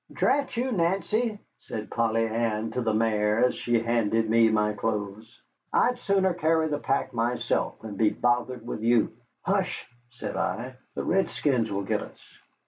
"Drat you, Nancy," said Polly Ann to the mare, as she handed me my clothes, "I'd sooner carry the pack myself than be bothered with you." "Hush," said I, "the redskins will get us."